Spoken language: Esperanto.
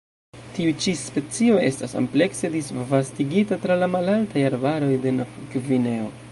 Tiu ĉi specio estas amplekse disvastigita tra la malaltaj arbaroj de Novgvineo.